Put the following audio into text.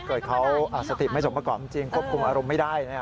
เกิดเขาสติไม่สมประกอบจริงควบคุมอารมณ์ไม่ได้